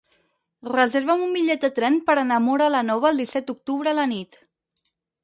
Reserva'm un bitllet de tren per anar a Móra la Nova el disset d'octubre a la nit.